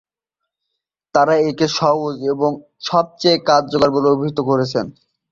তারা একে "সহজ এবং সবচেয়ে কার্যকর" বলে অভিহিত করেছে।